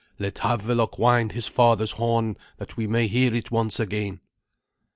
Let Havelok wind his father's horn, that we may hear it once again."